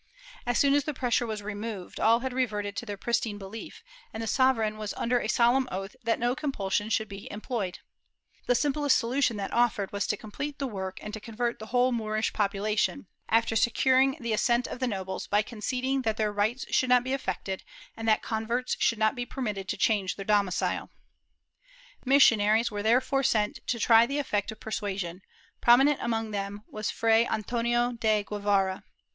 As soon as the pressure was removed all had reverted to their pristine belief, and the sovereign was under a solemn oath that no compulsion should be employed. The simplest solution that offered was to complete the work and to convert the whole Moorish population, after securing the assent of the nobles by conceding that their rights should not be affected, and that converts should not be permitted to change their domi cile.^ Missionaries were therefore sent to try the effect of persua sion, prominent among whom was Fray Antonio de Guevara.